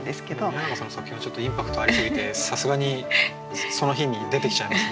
宮永さんの作品はちょっとインパクトありすぎてさすがにその日に出てきちゃいますね。